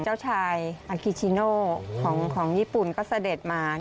เจ้าชายอาคิชิโนของญี่ปุ่นก็เสด็จมา